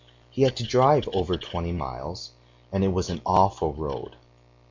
He had to drive over twenty miles, and it was an awful road.